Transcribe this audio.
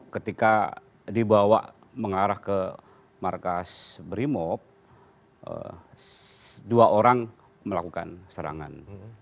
ketika dibawa mengarah ke markas brimop dua orang melakukan serangan